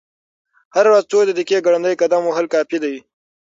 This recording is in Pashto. هره ورځ څو دقیقې ګړندی قدم وهل کافي دي.